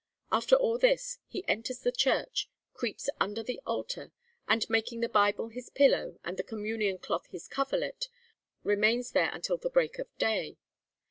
After all this, he enters the church, creeps under the altar, and making the Bible his pillow and the communion cloth his coverlet, remains there until the break of day.